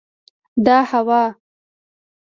دا هوا